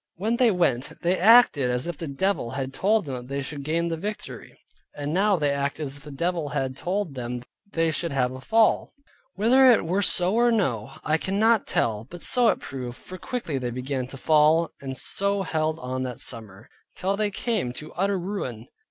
When they went, they acted as if the devil had told them that they should gain the victory; and now they acted as if the devil had told them they should have a fall. Whither it were so or no, I cannot tell, but so it proved, for quickly they began to fall, and so held on that summer, till they came to utter ruin.